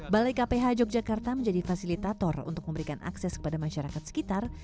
balai kph yogyakarta menjadi fasilitator untuk memberikan akses kepada masyarakat sekitar